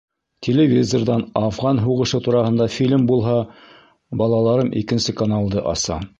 Телевизорҙан Афған һуғышы тураһында фильм булһа, балаларым икенсе каналды аса.